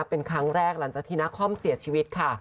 เป็นครั้งแรกหลังจากที่นาคอมเสียชีวิตค่ะ